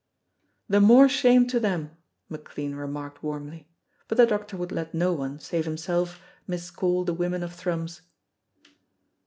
"The more shame to them," McLean remarked warmly; but the doctor would let no one, save himself, miscall the women of Thrums.